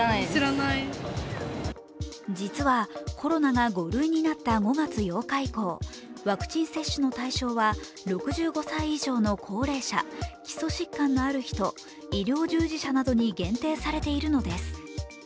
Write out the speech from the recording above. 実はコロナが５類になった５月８日以降、ワクチン接種の対象は６５歳以上の高齢者、基礎疾患のある人医療従事者などに限定されているのです。